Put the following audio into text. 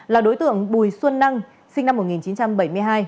là đối tượng bùi xuân năng sinh năm một nghìn chín trăm bảy mươi hai